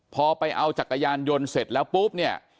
พอไปเอาจักรยานยนต์เสร็จแล้วปุ๊บเนี่ย